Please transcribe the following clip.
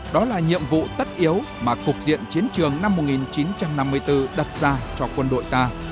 đó là nhiệm vụ tất yếu mà cục diện chiến trường năm một nghìn chín trăm năm mươi bốn đặt ra cho quân đội ta